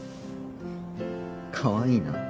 かわいいな。